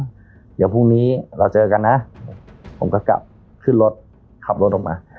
เดี๋ยวพรุ่งนี้เราเจอกันนะผมก็กลับขึ้นรถขับรถออกมา